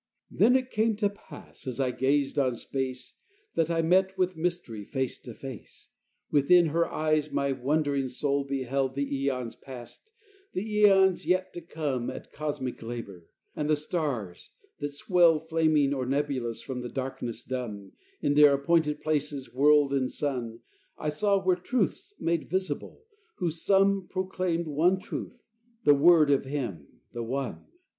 XV Then it came to pass as I gazed on space That I met with Mystery, face to face. Within her eyes my wondering soul beheld The eons past, the eons yet to come At cosmic labor; and the stars, that swelled, Flaming or nebulous, from the darkness dumb, In their appointed places, world and sun, I saw were truths made visible, whose sum Proclaimed one truth, the Word of Him, the One.